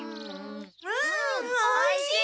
うんおいしい！